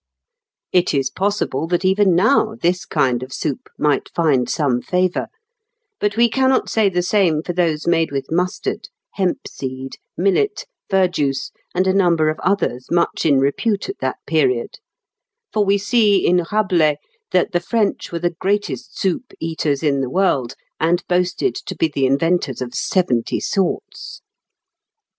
] It is possible that even now this kind of soup might find some favour; but we cannot say the same for those made with mustard, hemp seed, millet, verjuice, and a number of others much in repute at that period; for we see in Rabelais that the French were the greatest soup eaters in the world, and boasted to be the inventors of seventy sorts.